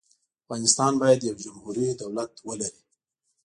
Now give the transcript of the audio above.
افغانستان باید یو جمهوري دولت ولري.